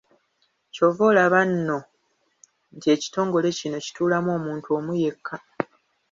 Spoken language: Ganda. Ky’ova olaba nno nti ekitongole kino kituulamu omuntu omu yekka.